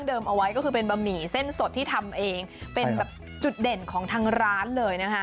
เอาไว้ก็คือเป็นบะหมี่เส้นสดที่ทำเองเป็นแบบจุดเด่นของทางร้านเลยนะคะ